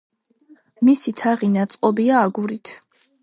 მისი თაღი ნაწყობია აგურით.